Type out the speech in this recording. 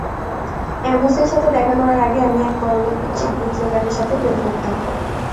অ্যামোসের সাথে দেখা করার আগে আমি এক বড়লোক কুৎসিত বুটলেগারের সাথে প্রেম করতাম।